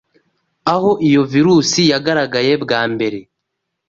aho iyo virusi yagaragaye bwa mbere,